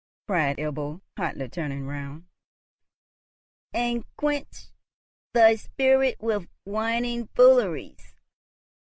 cried Ebbo, hotly, turning round. "And quench thy spirit with whining fooleries!